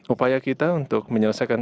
upaya kita untuk menyelesaikan